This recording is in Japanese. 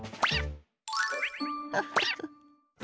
フフフ。